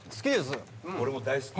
俺も大好き。